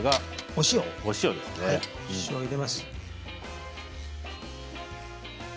お塩を入れます。